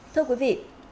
thưa quý vị